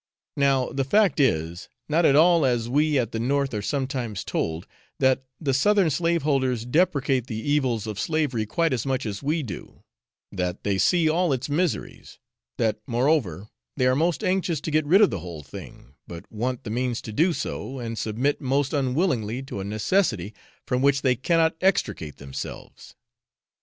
Now, the fact is not at all as we at the north are sometimes told, that the southern slaveholders deprecate the evils of slavery quite as much as we do; that they see all its miseries; that, moreover, they are most anxious to get rid of the whole thing, but want the means to do so, and submit most unwillingly to a necessity from which they cannot extricate themselves.